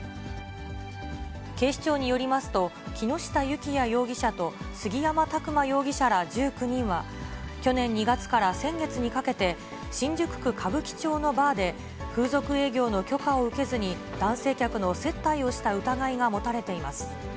警視庁によりますと、木下幸也容疑者と杉山琢磨容疑者ら１９人は、去年２月から先月にかけて新宿区歌舞伎町のバーで、風俗営業の許可を受けずに男性客の接待をした疑いが持たれています。